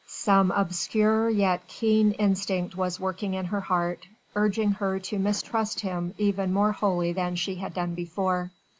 Some obscure yet keen instinct was working in her heart, urging her to mistrust him even more wholly than she had done before.